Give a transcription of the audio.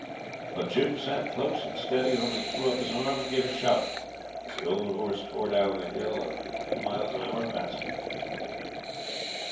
But Jim sat close and steady and only threw up his arm and gave a shout as the old horse tore down the hill a few miles an hour faster.